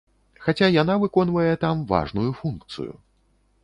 Хаця яна выконвае там важную функцыю.